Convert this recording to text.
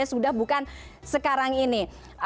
sudah bukan sekarang ini